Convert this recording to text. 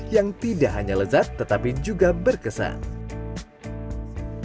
yang tidak hanya lezat tetapi juga berkesan